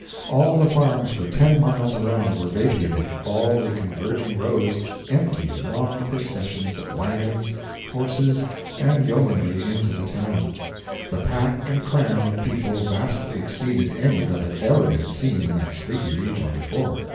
All the farms for ten miles around were vacated, all the converging roads emptied long processions of wagons, horses, and yeomanry into the town. The pack and cram of people vastly exceeded any that had ever been seen in that sleepy region before.